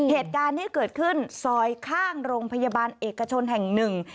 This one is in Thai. เหตุการณ์ที่เกิดขึ้นซอยข้างโรงพยาบาลเอกชนแห่งหนึ่ง